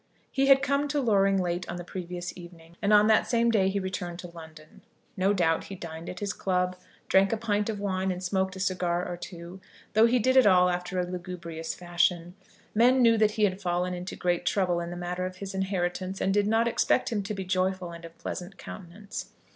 He had come to Loring late on the previous evening, and on that same day he returned to London. No doubt he dined at his club, drank a pint of wine and smoked a cigar or two, though he did it all after a lugubrious fashion. Men knew that he had fallen into great trouble in the matter of his inheritance, and did not expect him to be joyful and of pleasant countenance.